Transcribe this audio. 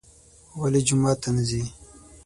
ولې جومات ته نه ځي.